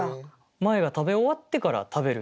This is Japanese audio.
前が食べ終わってから食べるみたいな。